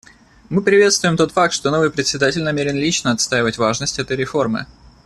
Мы приветствуем тот факт, что новый Председатель намерен лично отстаивать важность этой реформы.